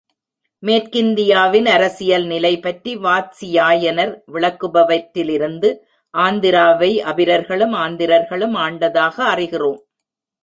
மேற்கிந்தியாவின் அரசியல் நிலை பற்றி வாத்சியாயனர் விளக்குபவற்றிலிருந்து ஆந்திராவை அபிரர்களும் ஆந்திரர்களும் ஆண்டதாக அறிகிறோம்.